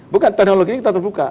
bukan teknologi kita terbuka